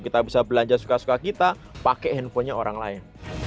kita bisa belanja suka suka kita pakai handphonenya orang lain